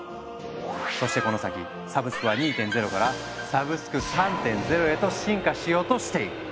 そしてこの先サブスクは２．０から「サブスク３．０」へと進化しようとしている。